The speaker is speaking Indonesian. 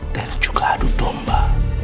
dan juga adu domba